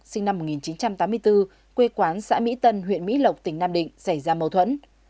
sinh năm một nghìn chín trăm tám mươi bốn quê quán xã mỹ tân huyện mỹ lộc tỉnh nam định xảy ra mâu thuẫn